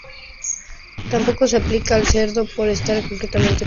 Tampoco se aplica al cerdo, por estar completamente prohibido.